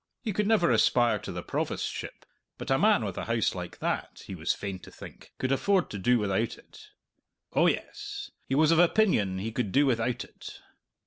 He could never aspire to the provostship, but a man with a house like that, he was fain to think, could afford to do without it. Oh yes; he was of opinion he could do without it!